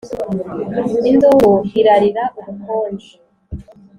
induru irarira ubukonje